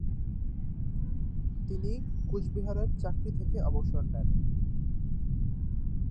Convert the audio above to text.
তিনি কুচবিহারের চাকরি থেকে অবসর নেন।